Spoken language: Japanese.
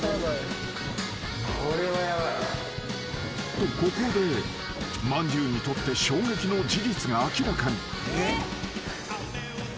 ［とここでまんじゅうにとって衝撃の事実が明らかに］